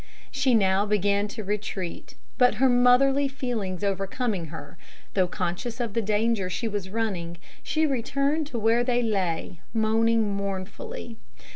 She now began to retreat; but her motherly feelings overcoming her, though conscious of the danger she was running, she returned to where they lay, moaning mournfully.